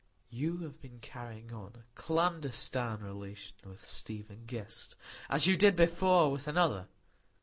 "You have been carrying on a clandestine relation with Stephen Guest,—as you did before with another.